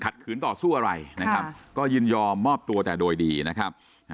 ขืนต่อสู้อะไรนะครับก็ยินยอมมอบตัวแต่โดยดีนะครับ